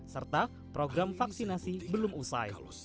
serta program vaksinasi belum usai